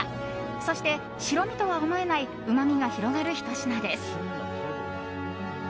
そして、白身とは思えないうまみが広がるひと品です。